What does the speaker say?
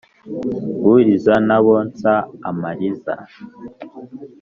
uriza n’abonsa amariza